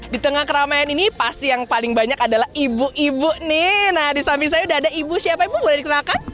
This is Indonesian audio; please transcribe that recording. di tengah keramaian ini pasti yang paling banyak adalah ibu ibu nih nah di samping saya udah ada ibu siapa ibu boleh dikenakan